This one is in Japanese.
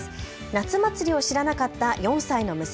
夏祭りを知らなかった４歳の娘。